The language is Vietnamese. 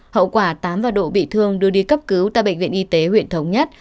hậu quả tám và độ bị thương đưa đi cấp cứu tại bệnh viện y tế huyện thống nhất